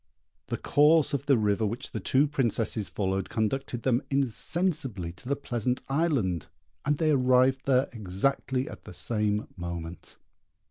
The course of the river which the two Princesses followed conducted them insensibly to the Pleasant Island, and they arrived there exactly at the same moment.